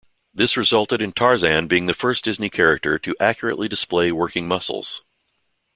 This resulted in Tarzan being the first Disney character to accurately display working muscles.